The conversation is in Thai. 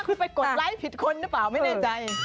คุณไปกดไลค์ผิดคนหรือเปล่าไม่แน่ใจ